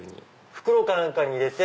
袋か何かに入れて。